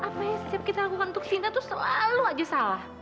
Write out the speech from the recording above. apa yang setiap kita lakukan untuk sinta itu selalu aja salah